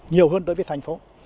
nhiều hơn đối với thành phố